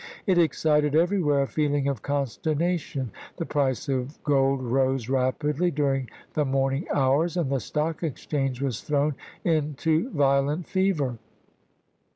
It excited everywhere a feeling of con sternation ; the price of gold rose rapidly during the morning hours, and the Stock Exchange was thrown into violent fever.